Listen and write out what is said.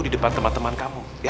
di depan teman teman kamu